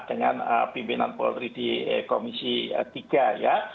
dengan pimpinan polri di komisi tiga ya